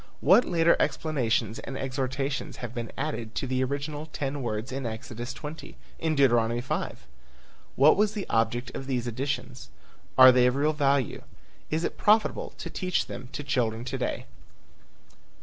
What later explanations and exhortations have been added to the original ten words in Exodus 20? In Deuteronomy 5? What was the object of these additions? Are they of real value? Is it profitable to teach them to children to day?